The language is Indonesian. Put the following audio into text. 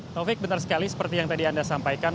taufik benar sekali seperti yang tadi anda sampaikan